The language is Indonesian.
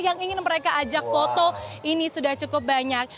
yang ingin mereka ajak foto ini sudah cukup banyak